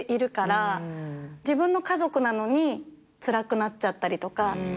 自分の家族なのにつらくなっちゃったりとか。